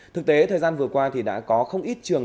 thực tế thời gian vừa qua thì đã có không ít trường